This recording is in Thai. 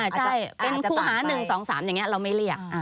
ใช่เป็นคู่หาหนึ่งสองสามอย่างนี้เราไม่เรียก